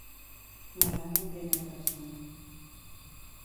Narrada en primera persona.